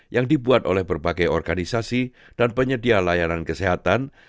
yang dibuat oleh berbagai organisasi dan penyedia layanan kesehatan